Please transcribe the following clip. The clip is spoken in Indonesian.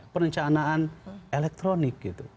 perencanaan elektronik gitu